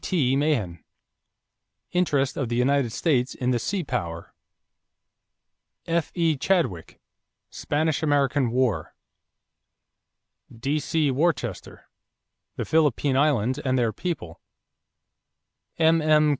T. Mahan, Interest of the United States in the Sea Power. F.E. Chadwick, Spanish American War. D.C. Worcester, The Philippine Islands and Their People. M.M.